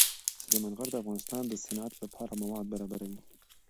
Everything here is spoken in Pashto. سلیمان غر د افغانستان د صنعت لپاره مواد برابروي.